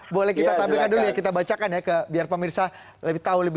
boleh kita tampilkan dulu ya kita bacakan ya biar pak mirsa tahu lebih detail lagi